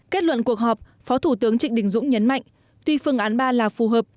kết luận cuộc họp phó thủ tướng trịnh đình dũng nhấn mạnh tuy phương án ba là phù hợp